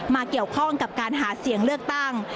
เกี่ยวข้องกับการหาเสียงเลือกตั้ง